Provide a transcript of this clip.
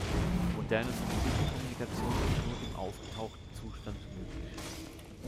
Moderne Satellitenkommunikation ist nur im aufgetauchten Zustand möglich.